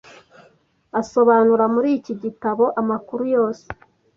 asobanura muri iki gitabo amakuru yose